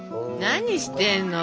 何してんの？